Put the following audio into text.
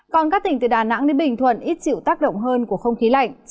còn các tỉnh từ đà nẵng đến bình thuận ít chịu tác động hơn của không khí lạnh